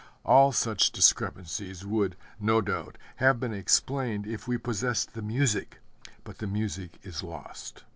All such discrepancies would, no doubt, have been explained if we possessed the music; but the music is lost.